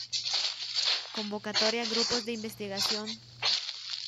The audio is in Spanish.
Convocatoria grupos de investigación.